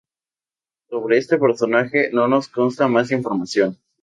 Sobre este personaje no nos consta más información.